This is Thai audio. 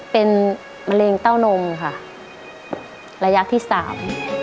เป็นมะเร็งเต้านมค่ะระยะที่สาม